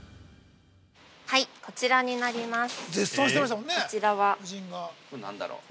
◆こちらになります。